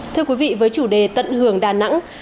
thưa quý vị với chủ đề tận hưởng đà nẵng